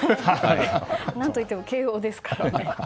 何といっても慶応ですからね。